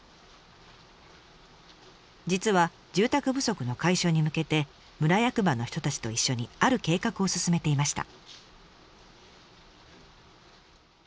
実は住宅不足の解消に向けて村役場の人たちと一緒にある計画を進めていました。